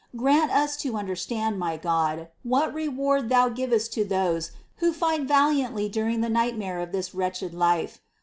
Grant us to understand, my God, what reward Thou givest to those who fight valiantly during the nightmare of this wretched life.